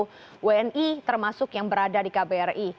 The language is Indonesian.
kbri termasuk yang berada di kbri